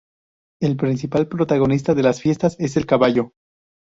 El principal protagonista de las fiestas es el caballo.